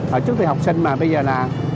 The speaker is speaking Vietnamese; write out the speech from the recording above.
hồi trước thì học sinh mà bây giờ là